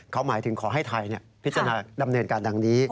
เขาหมายถึงขอให้ไทยพิจารณาดำเนินการดังนี้